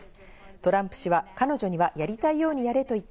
トランプ氏は彼女にはやりたいようにやれと言った。